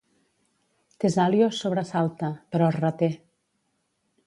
Tesalio es sobresalta, però es reté.